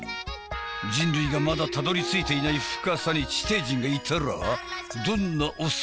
人類がまだたどりついていない深さに地底人がいたらどんなお姿？